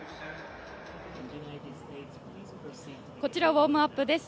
こちらウォームアップです。